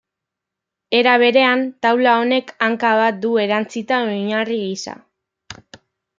Era berean, taula honek hanka bat du erantsita oinarri gisa.